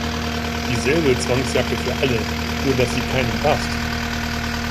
Dieselbe Zwangsjacke für alle, nur dass sie keinem passt.